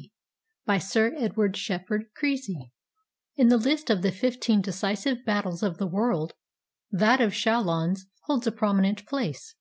D.] BY SIR EDWARD SHEPHERD CREASY [In the list of the fifteen decisive battles of the world, that of Chalons holds a prominent place.